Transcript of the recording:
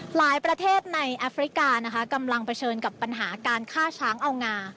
หลายประเทศในแอฟริกานะคะกำลังเผชิญกับปัญหาการฆ่าช้างเอางา